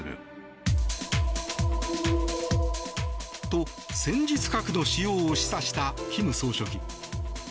と、戦術核の使用を示唆した金総書記。